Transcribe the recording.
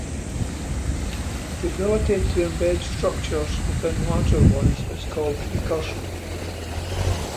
The ability to embed structures within larger ones is called recursion.